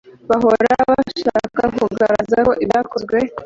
bahora bashaka kugaragaza ko ibyakozwe